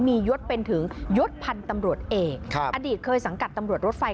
มียศเป็นถึงยศพันธ์ตำรวจเอกอดีตเคยสังกัดตำรวจรถไฟ